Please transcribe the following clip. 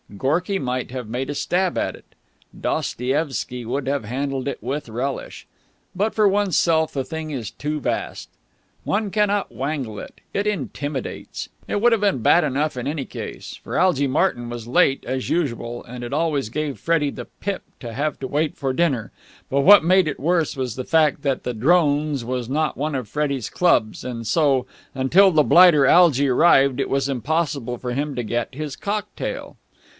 Gorky might have made a stab at it. Dostoevsky would have handled it with relish. But for oneself the thing is too vast. One cannot wangle it. It intimidates. It would have been bad enough in any case, for Algy Martyn was late as usual and it always gave Freddie the pip to have to wait for dinner: but what made it worse was the fact that the Drones was not one of Freddie's clubs and so, until the blighter Algy arrived, it was impossible for him to get his cocktail.